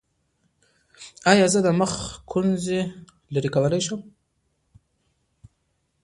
ایا زه د مخ ګونځې لرې کولی شم؟